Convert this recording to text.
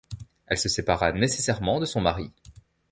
Elle se sépara nécessairement de son mari.